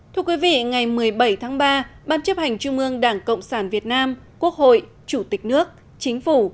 thưa quý vị ngày một mươi bảy tháng ba ban chấp hành trung ương đảng cộng sản việt nam quốc hội chủ tịch nước chính phủ